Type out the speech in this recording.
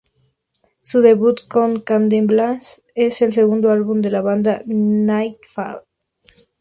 Su debut con Candlemass es el segundo álbum de la banda, Nightfall.